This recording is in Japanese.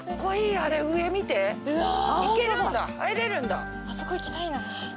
あそこ行きたいな。